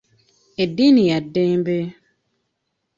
Eddiini ya ddembe.